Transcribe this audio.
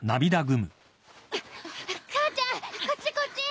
母ちゃんこっちこっち！